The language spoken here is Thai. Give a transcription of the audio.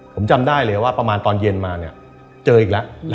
ผมจำได้เลยว่าประมาณตอนเย็นมาเนี่ยเจออีกแล้ว